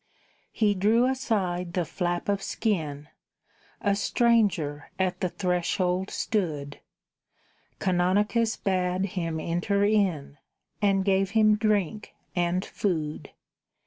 He drew aside the flap of skin; A stranger at the threshold stood; Canonicus bade him enter in, And gave him drink and food.